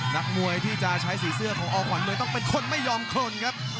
นักมวยที่จะใช้สีเสื้อของอขวัญมวยต้องเป็นคนไม่ยอมคนครับ